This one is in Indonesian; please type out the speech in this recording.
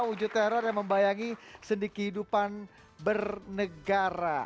wujud teror yang membayangi sendi kehidupan bernegara